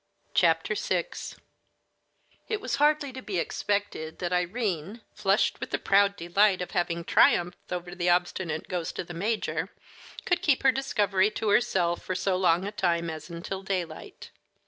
VI It was hardly to be expected that Irene, flushed with the proud delight of having triumphed over the obstinate ghost of the major, could keep her discovery to herself for so long a time as until daylight.